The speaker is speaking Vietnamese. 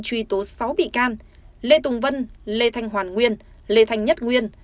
truy tố sáu bị can lê tùng vân lê thanh hoàn nguyên lê thanh nhất nguyên